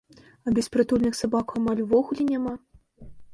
А беспрытульных сабак амаль увогуле няма.